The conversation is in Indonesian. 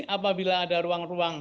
apabila ada ruang ruang